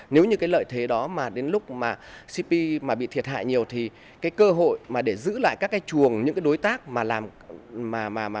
nếu như cái lợi thế đó mà đến lúc mà cp mà bị thiệt hại nhiều thì cái cơ hội mà để giữ lại các cái chuồng những cái đối tác mà làm